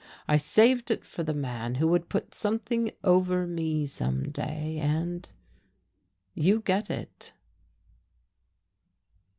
I saved it for the man who would put something over me some day, and you get it."